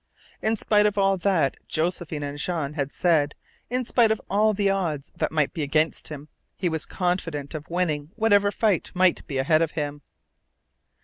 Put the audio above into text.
In spite of all that Josephine and Jean had said, in spite of all the odds that might be against him, he was confident of winning whatever fight might be ahead of him.